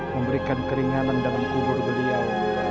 memberikan keringanan dalam kubur beliau